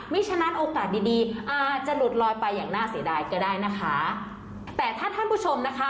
ฉะนั้นโอกาสดีดีอาจจะหลุดลอยไปอย่างน่าเสียดายก็ได้นะคะแต่ถ้าท่านผู้ชมนะคะ